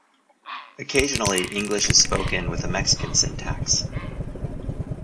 Occasionally, English is spoken with a Mexican syntax.